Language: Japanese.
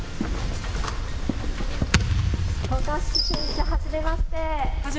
渡嘉敷選手、はじめまして。